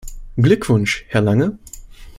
Glückwunsch, Herr Lange!